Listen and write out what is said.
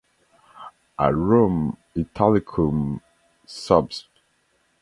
Arum italicum subsp.